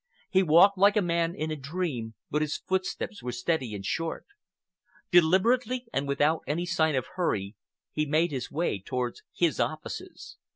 He walked like a man in a dream, but his footsteps were steady and short. Deliberately, and without any sign of hurry, he made his way towards his offices.